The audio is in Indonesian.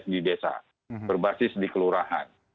di desa berbasis di kelurahan